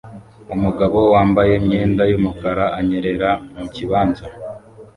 umugabo wambaye imyenda yumukara anyerera mukibanza